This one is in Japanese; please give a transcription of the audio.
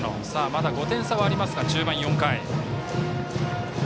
まだ５点差はありますが中盤、４回。